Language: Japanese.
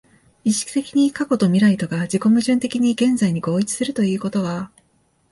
意識的に過去と未来とが自己矛盾的に現在に合一するということは、